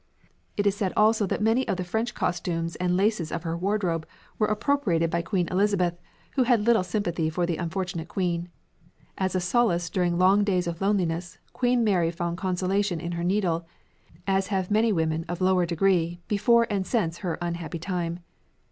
It is said also that many of the French costumes and laces of her wardrobe were appropriated by Queen Elizabeth, who had little sympathy for the unfortunate queen. As a solace during long days of loneliness, Queen Mary found consolation in her needle, as have many women of lower degree before and since her unhappy time.